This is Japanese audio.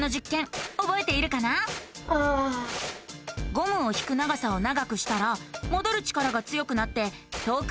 ゴムを引く長さを長くしたらもどる力が強くなって遠くまでうごいたよね。